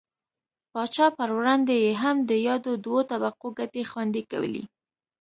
پاچا پر وړاندې یې هم د یادو دوو طبقو ګټې خوندي کولې.